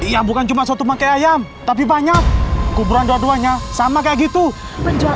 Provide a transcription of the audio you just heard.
yang bukan cuma satu pakai ayam tapi banyak kuburan dua duanya sama kayak gitu penjara